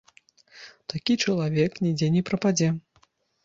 Такі чалавек нідзе не прападзе.